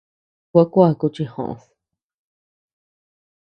Gua kuaku chi joʼód.